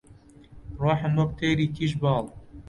ڕووحم وەک تەیری تیژ باڵ